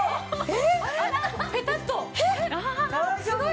えっ！？